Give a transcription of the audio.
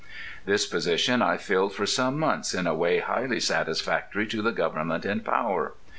This position I filled for some months in a way highly satisfactory to the Government in power.